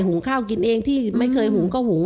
งข้าวกินเองที่ไม่เคยหุงก็หุง